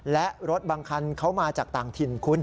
และรถบางคันเขามาจากต่างถิ่นคุณ